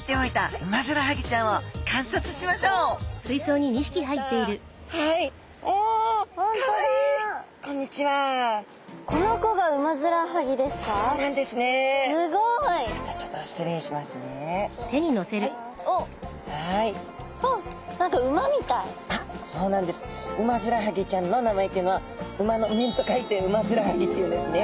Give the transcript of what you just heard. ウマヅラハギちゃんの名前というのは「馬の面」と書いてウマヅラハギっていうんですね。